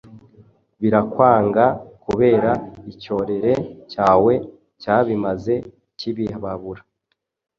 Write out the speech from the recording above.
birakwanga kubera icyokere cyawe cyabimaze kibibabura.